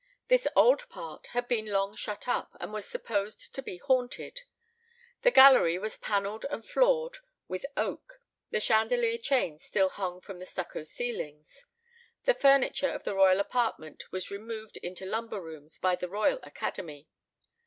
This old part had been long shut up, and was supposed to be haunted. The gallery was panelled and floored with oak. The chandelier chains still hung from the stucco ceilings. The furniture of the royal apartment was removed into lumber rooms by the Royal Academy.